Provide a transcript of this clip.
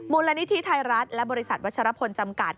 มูลนิธิไทยรัฐและบริษัทวัชรพลจำกัด